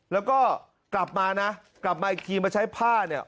แล้วก็กลับมานะกลับมาอีกทีมาใช้ผ้าเนี่ย